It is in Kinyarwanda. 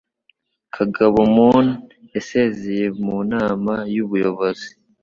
Kagabo Moon yasezeye mu Nama y'Ubuyobozi